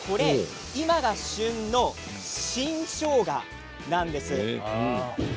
今が旬の新しょうがなんです。